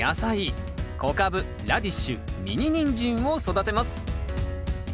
小カブラディッシュミニニンジンを育てます。